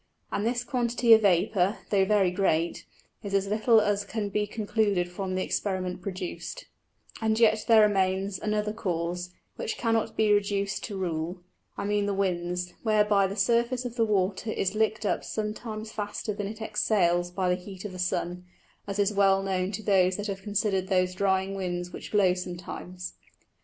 And this Quantity of Vapour, tho' very great, is as little as can be concluded from the Experiment produced: And yet there remains another Cause, which cannot be reduced to Rule, I mean the Winds, whereby the Surface of the Water is licked up some times faster than it exhales by the heat of the Sun; as is well known to those that have consider'd those drying Winds which blow sometimes.